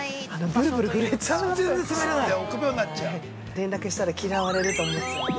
◆連絡したら嫌われると思っちゃって。